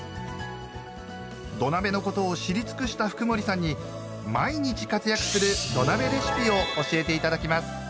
土鍋のことを知り尽くした福森さんに毎日活躍する土鍋レシピを教えていただきます。